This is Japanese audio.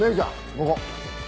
ここ。